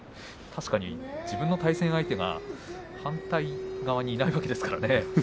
確かに自分の対戦相手が反対側にいないわけですからね。